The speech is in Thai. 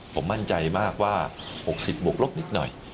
ผมมั่นใจมากว่า๖๐บวกลบนิดหน่อย